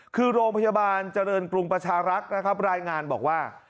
คือโรงพยาบาลเจริญกรุงประชารักษ์นะครับรายงานบอกว่า